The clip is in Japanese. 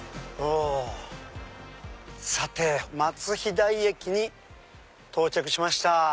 さて松飛台駅に到着しました。